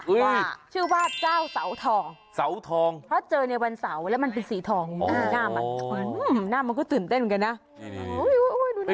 ว่าชื่อว่าเจ้าเสาทองเพราะเจอในวันเสาร์แล้วมันเป็นสีทองอ๋อหน้ามันก็ตื่นเต้นเหมือนกันนะ